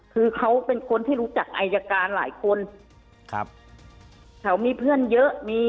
คือเขาเป็นคนที่รู้จักอัยการหลายคือ